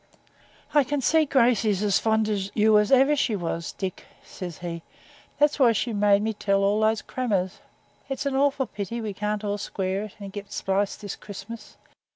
'I can see Gracey's as fond of you as ever she was, Dick,' says he; 'that's why she made me tell all those crammers. It's an awful pity we can't all square it, and get spliced this Christmas.